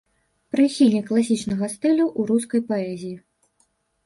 Прыхільнік класічнага стылю ў рускай паэзіі.